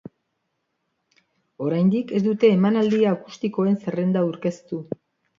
Oraindik ez dute emanaldi akustikoen zerrenda aurkeztu.